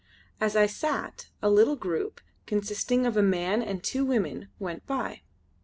As I sat, a little group, consisting of a man and two women, went by.